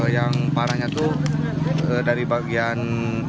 yang parahnya itu dari bagian